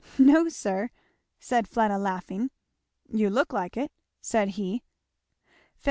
"No sir," said Fleda laughing. "You look like it," said he. 'Feb.